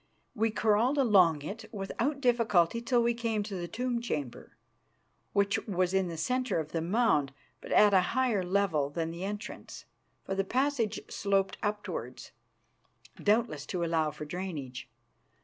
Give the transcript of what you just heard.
We crawled along it without difficulty till we came to the tomb chamber, which was in the centre of the mound, but at a higher level than the entrance. For the passage sloped upwards, doubtless to allow for drainage.